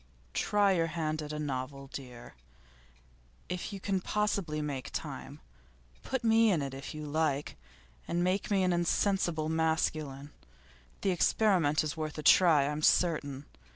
'Try your hand at a novel, dear, if you can possibly make time. Put me in it, if you like, and make me an insensible masculine. The experiment is worth a try I'm certain.